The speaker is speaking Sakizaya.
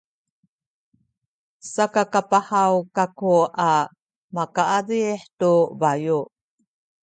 sakakapahaw kaku a makaazih tu bayu’.